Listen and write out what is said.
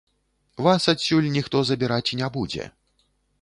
Вас адсюль ніхто забіраць не будзе.